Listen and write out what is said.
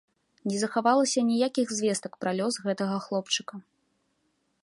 Не захавалася ніякіх звестак пра лёс гэтага хлопчыка.